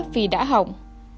vì đã hỏng